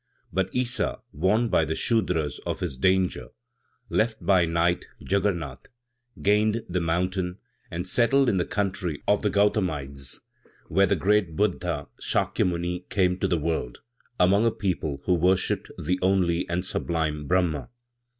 2. But Issa, warned by the Sudras of his danger, left by night Djagguernat, gained the mountain, and settled in the country of the Gautamides, where the great Buddha Sakya Muni came to the world, among a people who worshipped the only and sublime Brahma.